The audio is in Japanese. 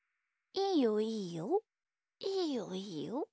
いいよいいよ。